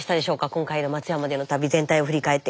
今回の松山での旅全体を振り返って。